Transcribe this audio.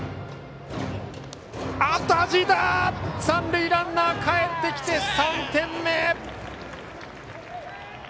三塁ランナーかえってきて３点目。